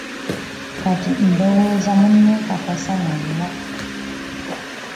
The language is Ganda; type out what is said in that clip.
Kati ndowooza munneekakasa mwenna.